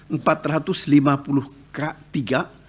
empat ratus lima puluh k tiga